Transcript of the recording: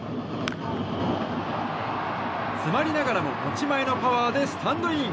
詰まりながらも持ち前のパワーでスタンドイン。